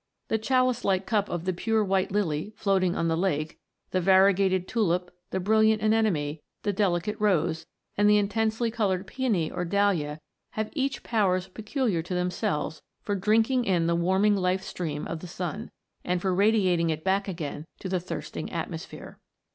The chalice like cup of the pure white lily floating on the lake, the variegated tulip, the brilliant anemone, the delicate rose, and the intensely coloured peony or dahlia, have each powers peculiar to themselves for drinking in the warming life stream of the sun, and for radiating it back again to the thirsting atmosphere."